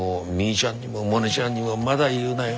ちゃんにもモネちゃんにもまだ言うなよ。